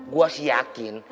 gue sih yakin